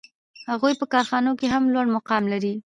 هغوی په کارخانو کې هم لوړ مقام لري